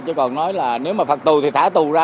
chứ còn nói là nếu mà phạt tù thì thả tù ra